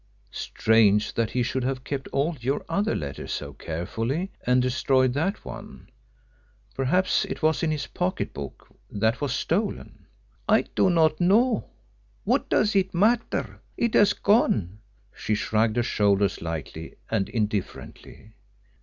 "Strange that he should have kept all your other letters so carefully and destroyed that one. Perhaps it was in his pocket book that was stolen." "I do not know. What does it matter? It has gone." She shrugged her shoulders lightly and indifferently.